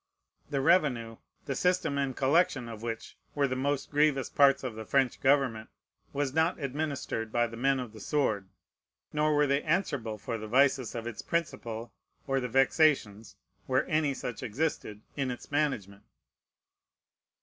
The revenue, the system and collection of which were the most grievous parts of the French government, was not administered by the men of the sword; nor were they answerable for the vices of its principle, or the vexations, where any such existed, in its management.